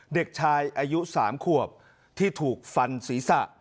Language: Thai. เด็กชายอายุ๓ขวบที่ถูกฟันศีรษะ